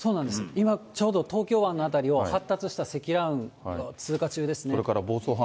今ちょうど東京湾の辺りを発達した積乱雲が通過中です。